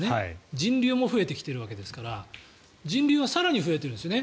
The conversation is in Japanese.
人流も増えてきているわけですから人流は更に増えているんですよね。